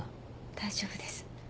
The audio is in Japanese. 大丈夫です。